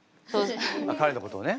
彼のことをね。